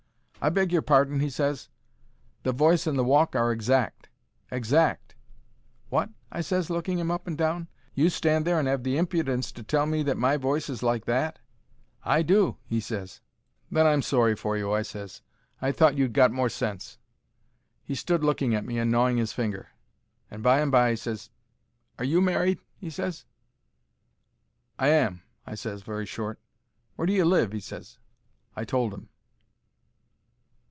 "I beg your pardon," he ses; "the voice and the walk are exact. Exact." "Wot?" I ses, looking 'im up and down. "You stand there and 'ave the impudence to tell me that my voice is like that?" "I do," he ses. "Then I'm sorry for you," I ses. "I thought you'd got more sense." He stood looking at me and gnawing 'is finger, and by and by he ses, "Are you married?" he ses. "I am," I ses, very short. "Where do you live?" he ses. I told 'im.